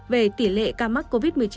về tỷ lệ ca mắc covid một mươi chín